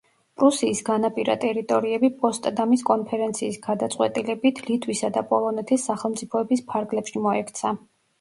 პრუსიის განაპირა ტერიტორიები პოსტდამის კონფერენციის გადაწყვეტილებით ლიტვისა და პოლონეთის სახელმწიფოების ფარგლებში მოექცა.